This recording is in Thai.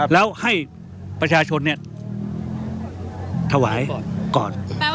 แล้วให้ประชาชนถวายก่อน